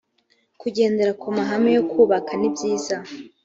kugendera ku mahame yo kubaka nibyiza